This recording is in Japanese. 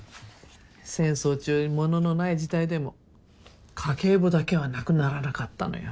戦争中物のない時代でも家計簿だけはなくならなかったのよ。